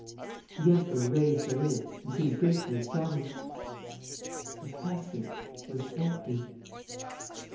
The Emperor raised the lid and seemed greatly astonished. _The casket was empty.